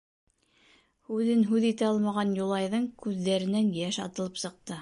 Һүҙен һүҙ итә алмаған Юлайҙың күҙҙәренән йәш атылып сыҡты.